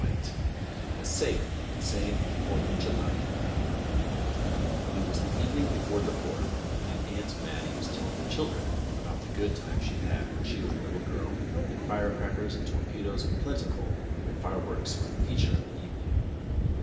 VII A Safe and Sane Fourth of July IT was the evening before the Fourth, and Aunt Mattie was telling the children about the good times she had when she was a little girl and fire crackers and torpedoes were plentiful and fireworks were the feature of the evening.